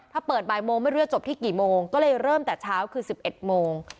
ถ้าเปิดบ่ายโมงไม่รู้จะจบที่กี่โมงก็เลยเริ่มแต่เช้าคือ๑๑โมง